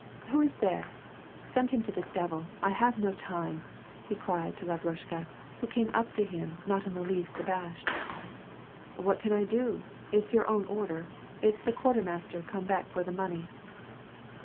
— Who is there ? Send him to the devil. I have no time !" he cried to Lavrushka, who came up to him, not in the least abashed, *' What can I do ? It's your own order. It's the quarter master come back for the money."